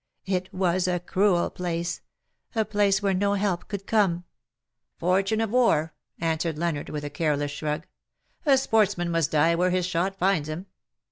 It was a cruel place — a place where no help could come.^* " Fortune of war/^ answered Leonard, with a careless shrug. " A sportsman must die where his shot finds him.